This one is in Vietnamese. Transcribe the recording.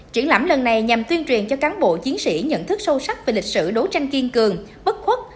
triển lãm lần này nhằm tuyên truyền cho cán bộ chiến sĩ nhận thức sâu sắc về lịch sử đấu tranh kiên cường bất khuất